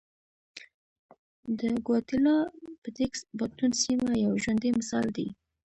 د ګواتیلا پټېکس باټون سیمه یو ژوندی مثال دی.